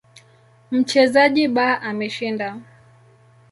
Mchezaji B ameshinda.